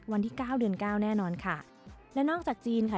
วันที่เก้าเดือนเก้าแน่นอนค่ะและนอกจากจีนค่ะ